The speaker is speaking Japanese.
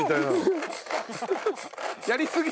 やりすぎ。